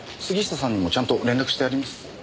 杉下さんにもちゃんと連絡してあります。